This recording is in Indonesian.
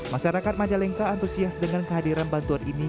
masyarakat majalengka antusias dengan kehadiran bantuan ini